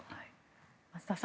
増田さん